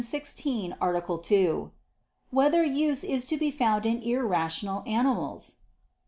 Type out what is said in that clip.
16, Art. 2] Whether Use Is to Be Found in Irrational Animals?